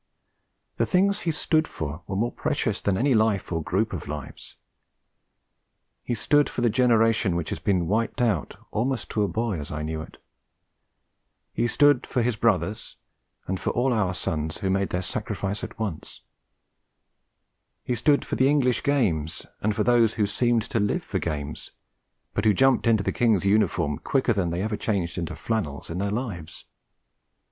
The things he stood for were more precious than any life or group of lives. He stood for the generation which has been wiped out almost to a boy, as I knew it; he stood for his brothers, and for all our sons who made their sacrifice at once; he stood for the English games, and for those who had seemed to live for games, but who jumped into the King's uniform quicker than they ever changed into flannels in their lives.